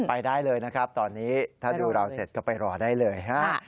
ไปได้เลยนะครับตอนนี้ถ้าดูเราเสร็จก็ไปรอได้เลยฮะ